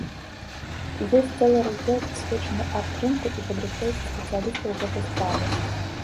І ёсць цэлы раздзел, прысвечаны арт-рынку і падрыхтоўцы спецыялістаў гэтай справы.